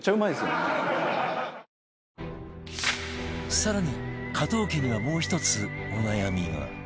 更に加藤家にはもう１つお悩みが